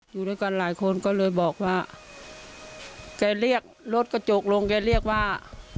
อยู่ด้วยกันหลายคนก็เลยบอกว่าแกเรียกรถกระจกลงแกเรียกว่า